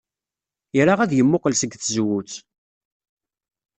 Ira ad yemmuqqel seg tzewwut.